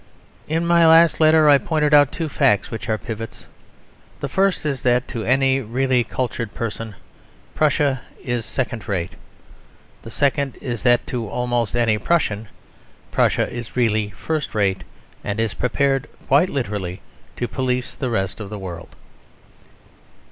In my last letter I pointed out two facts which are pivots. The first is that, to any really cultured person, Prussia is second rate. The second is that to almost any Prussian, Prussia is really first rate; and is prepared, quite literally, to police the rest of the world.